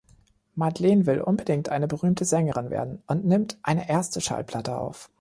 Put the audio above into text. Madeleine will unbedingt eine berühmte Sängerin werden und nimmt eine erste Schallplatte auf.